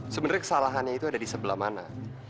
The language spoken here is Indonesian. sebenarnya kesalahannya itu ada di sebelah mana